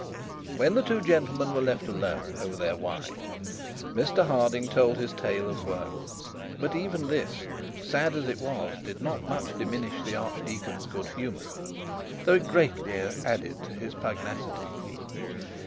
When the two gentlemen were left alone over their wine, Mr Harding told his tale of woe. But even this, sad as it was, did not much diminish the archdeacon's good humour, though it greatly added to his pugnacity.